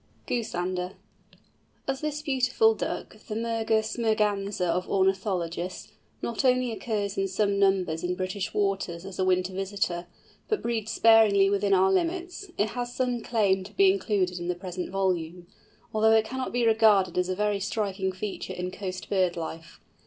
GOOSANDER. As this beautiful Duck, the Mergus merganser of ornithologists, not only occurs in some numbers in British waters as a winter visitor, but breeds sparingly within our limits, it has some claim to be included in the present volume, although it cannot be regarded as a very striking feature in coast bird life.